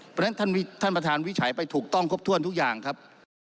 เพราะฉะนั้นท่านประธานวิจัยไปถูกต้องครบถ้วนทุกอย่างครับ